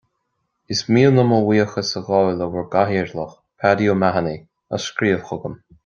Is mian liom mo bhuíochas a ghabháil le bhur gCathaoirleach, Paddy O'Mahony, as scríobh chugam